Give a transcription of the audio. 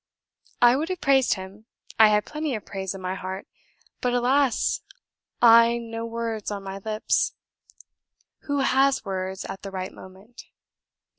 I would have praised him; I had plenty of praise in my heart; but alas I no words on my lips. Who HAS words at the right moment?